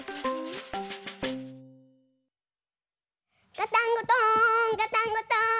ガタンゴトーンガタンゴトーン。